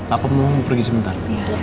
aku mau pergi sebentar